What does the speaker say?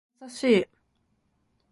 相田さんは優しい